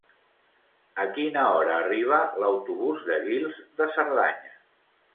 A quina hora arriba l'autobús de Guils de Cerdanya?